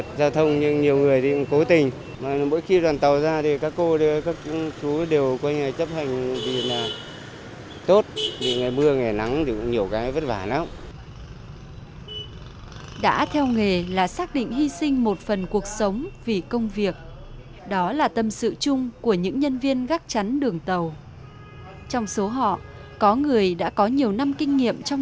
trong nhiệm vụ của mình nhân viên gác chắn tàu còn được tiếp một vị khách đặc biệt đó là người tuần đường